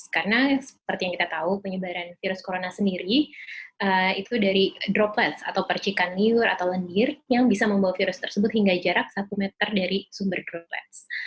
karena seperti yang kita tahu penyebaran virus corona sendiri itu dari droplet atau percikan liur atau lendir yang bisa membawa virus tersebut hingga jarak satu meter dari sumber droplet